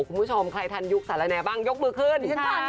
คุณผู้ชมใครทันยุคสารแอร์บ้างยกมือขึ้น